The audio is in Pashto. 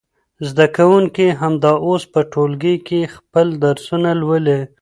زده کوونکي همدا اوس په ټولګي کې خپل درسونه لولي.